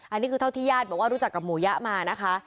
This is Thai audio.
อันนี้คือเท่าที่ญาติบอกว่ารู้จักกับหมูยะมานะคะ